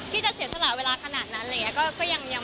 ที่จะเสียสละเวลาขนาดนั้นเลยก็ยังไม่อยากแต่ง